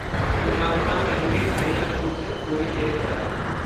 अब इमरान खान कहेंगे करीना कपूर से, ‘गोरी तेरे प्यार में’